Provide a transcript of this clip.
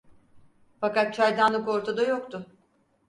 Fakat çaydanlık ortada yoktu.